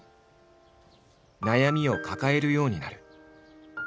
悩みを抱えるようになる。